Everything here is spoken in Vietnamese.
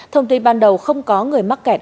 thông tin ban đầu không có người mắc kẹt